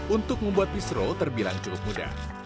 untuk membuat pisro terbilang cukup mudah